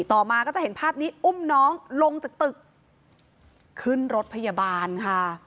ต่อมาก็จะเห็นภาพนี้อุ้มน้องลงจากตึกขึ้นรถพยาบาลค่ะ